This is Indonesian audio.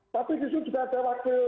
tapi disitu juga ada wakil